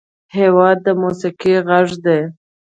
هېواد د موسیقۍ غږ دی.